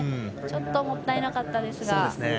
ちょっともったいなかったですが。